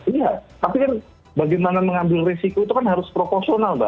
iya tapi bagaimana mengambil resiko itu kan harus proporsional